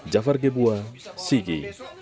jafar gebuah sigi